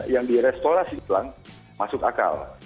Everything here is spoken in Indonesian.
yang di restorasi ulang masuk akal